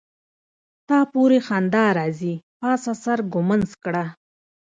تا پوری خندا راځي پاڅه سر ګمنځ کړه.